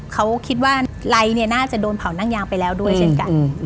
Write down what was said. เขาคิดว่าไรเนี่ยน่าจะโดนเผานั่งยางไปแล้วด้วยเช่นกัน